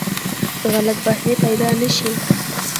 غلط فهمۍ پیدا نه شي.